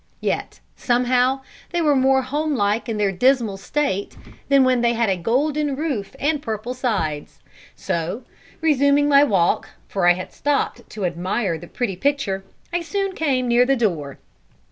Yet, somehow, they were more homelike in their dismal state than when they had a golden roof and purple sides, so, resuming my walk, for I had stopped to admire the pretty picture, I soon came near the door.